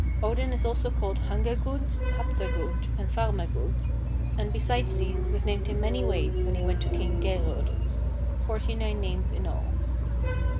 Odin is also called Hangagud, Haptagud, and Farmagud, and, besides these, was named in many ways when he went to King Geirraudr," forty nine names in all.